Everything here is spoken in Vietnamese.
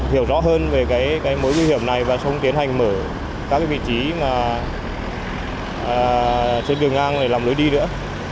hiểu rõ hơn về mối nguy hiểm này và xong tiến hành mở các vị trí trên đường ngang để làm lối đi nữa